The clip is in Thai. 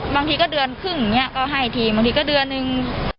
บางทีก็เดือนครึ่งบางทีก็เดือนนึง